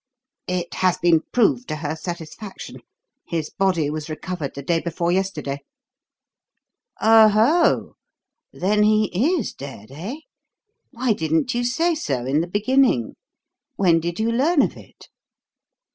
"It has been proved to her satisfaction. His body was recovered the day before yesterday." "Oho! then he is dead, eh? Why didn't you say so in the beginning? When did you learn of it?"